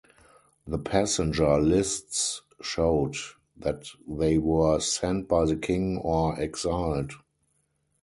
The passenger lists showed that they were "sent by the King" or "exiled".